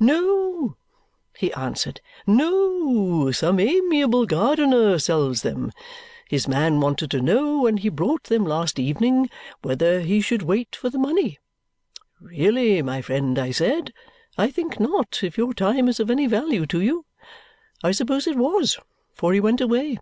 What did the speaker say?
"No," he answered. "No! Some amiable gardener sells them. His man wanted to know, when he brought them last evening, whether he should wait for the money. 'Really, my friend,' I said, 'I think not if your time is of any value to you.' I suppose it was, for he went away."